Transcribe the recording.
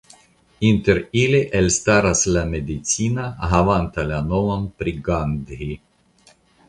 Inter ili elstaras la medicina havanta la nomon pri Gandhi.